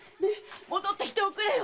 戻ってきておくれよ！